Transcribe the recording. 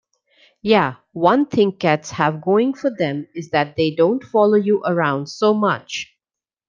Yeah, one thing cats have going for them is that they don't follow you around so much.